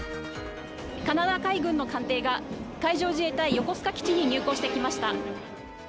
カナダ海軍の艦艇が海上自衛隊横須賀基地に入港してきました。